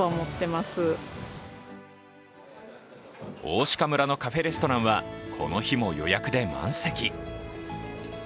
大鹿村のカフェレストランはこの日も予約で満席。